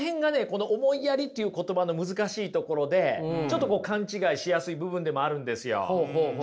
この「思いやり」という言葉の難しいところでちょっと勘違いしやすい部分でもあるんですよ。